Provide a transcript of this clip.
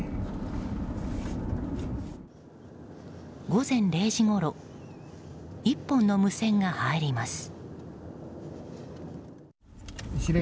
午前０時ごろ１本の無線が入ります。